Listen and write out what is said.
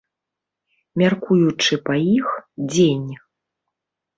Мяркуючы па іх, дзень.